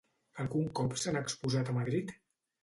Algun cop s'han exposat a Madrid?